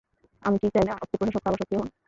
আমরা কি চাই না, অতীতের প্রশাসকরা আবার সক্রিয় হোন?